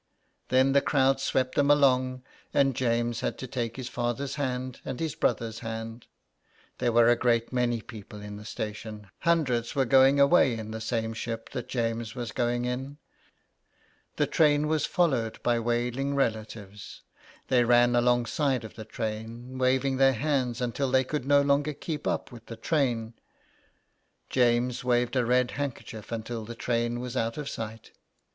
" Then the crowd swept them along, and James had to take his father's hand and his brother's hand. There were a great many people in the station — hundreds were going away in the same ship that James was going in. The train was followed by wailing relatives. They ran alongside of the train, waving their hands until they could no longer keep up with the train. James waved a red handkerchief until the train was out of sight.